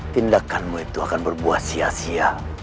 tindakanmu itu akan berbuah sia sia